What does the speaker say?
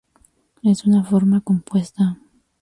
Es una forma compuesta.